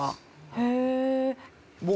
へえ。